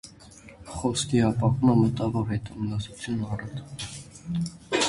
Խոսքի հապաղումը մտավոր հետամնացության առավել տարածված նշաններից է։